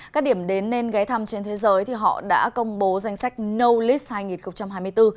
các điểm đến nên ghé thăm trên thế giới thì họ đã công bố danh sách north hai nghìn hai mươi bốn